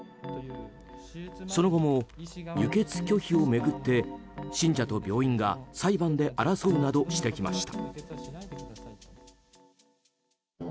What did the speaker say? その後も、輸血拒否を巡って信者と病院が裁判で争うなどしてきました。